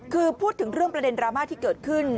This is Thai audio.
คือพูดถึงเรื่องประเด็นดราม่าที่เกิดขึ้น